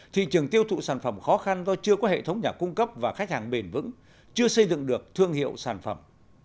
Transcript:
thị trường tiêu thụ sản phẩm khó khăn do chưa có hệ thống nhà cung cấp và khách hàng bền vững chưa xây dựng được thương hiệu sản phẩm